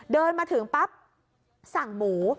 เดินมาถึงปั๊บสั่งหมู